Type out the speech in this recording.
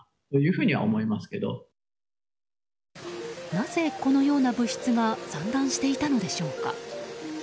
なぜこのような物質が散乱していたのでしょうか。